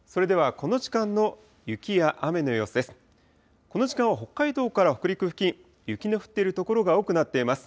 この時間は北海道から北陸付近、雪の降っている所が多くなっています。